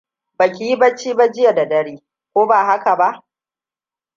Baki yi bacci ba jiya da dare, ko ba haka ba?